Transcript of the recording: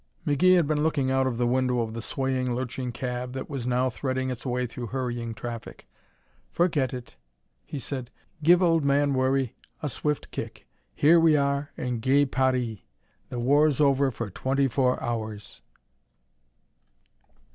McGee had been looking out of the window of the swaying, lurching cab that was now threading its way through hurrying traffic. "Forget it!" he said. "Give Old Man Worry a swift kick. Here we are in Gay Paree. The war's over for twenty four hours!"